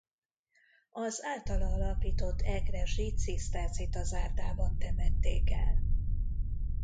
Az általa alapított egresi cisztercita zárdában temették el.